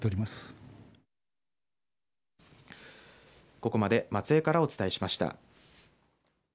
ここまで松江からお伝えしました。